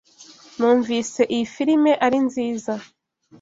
Numvise iyi firime ari nziza.